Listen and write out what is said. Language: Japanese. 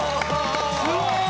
すごい！